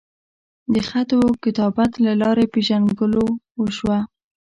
د خط وکتابت لۀ لارې پېژنګلو اوشوه